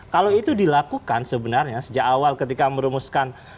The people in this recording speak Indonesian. kalau itu dilakukan sebenarnya sejak awal ketika merumuskan